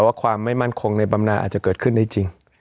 ว่าความไม่มั่นคงในบำนานอาจจะเกิดขึ้นได้จริง